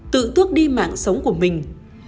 tự thước đi mạng sống của mình